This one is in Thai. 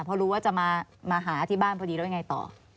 พอรู้ว่าจะมาหาที่บ้านพอดีแล้วยังไงต่อ